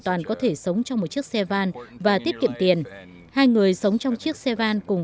toàn có thể sống trong một chiếc xe van và tiết kiệm tiền hai người sống trong chiếc xe van cùng